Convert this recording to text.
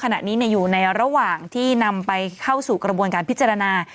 ขณะนี้อยู่ในระหว่างที่นำไปเข้าสู่กระบวนการพิจารณา